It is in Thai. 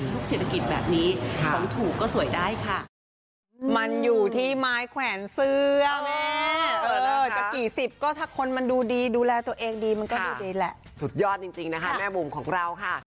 เศรษฐกิจแบบนี้ของถูกก็สวยได้ค่ะ